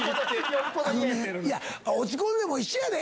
落ち込んでも一緒やで！